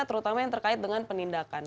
terutama yang terkait dengan penindakan